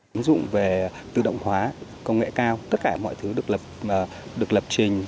ứng dụng về tự động hóa công nghệ cao tất cả mọi thứ được lập trình